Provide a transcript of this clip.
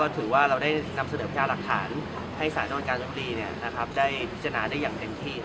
ถือว่าเราได้นำเสด็จแพร่หลักฐานให้สารจนการปรินี่ได้พิจารณาได้อย่างเต็มที่